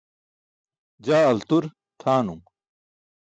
Jaa altur tʰaanum.